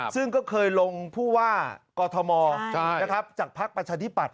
ซึ่งก็เคยลงผู้ว่ากอทมจากภักดิ์ประชาธิปัตย